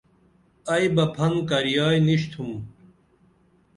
ائی بہ پھن کریائی نِشِتُھم